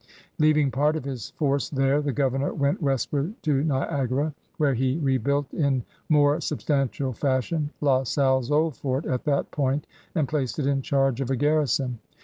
Leaving part of his force there, the governor went westward to Niagara, where he rebuilt in more substantial fashion La Salle's old fort at that point and placed it in charge of a garrison.